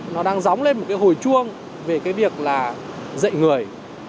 nó đang dóng lên một cái hồi chuông về cái việc là dạy người